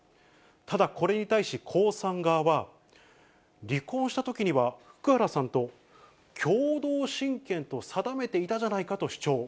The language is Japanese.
ただ、これに対し江さん側は、離婚したときには福原さんと共同親権と定めていたじゃないかと主張。